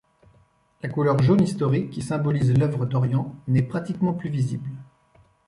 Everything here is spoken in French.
La couleur jaune historique qui symbolise l’Œuvre d’Orient n’est pratiquement plus visible.